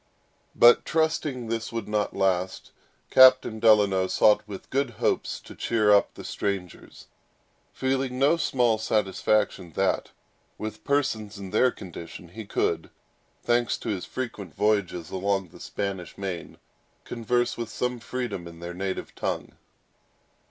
But trusting this would not long last, Captain Delano sought, with good hopes, to cheer up the strangers, feeling no small satisfaction that, with persons in their condition, he could—thanks to his frequent voyages along the Spanish main—converse with some freedom in their native tongue.